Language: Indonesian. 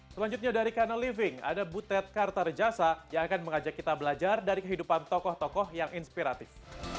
selanjutnya dari kanal living ada butet kartarjasa yang akan mengajak kita belajar dari kehidupan tokoh tokoh yang inspiratif